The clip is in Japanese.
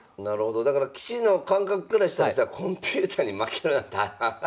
だから棋士の感覚からしたらコンピューターに負けるなんてアッハッハ。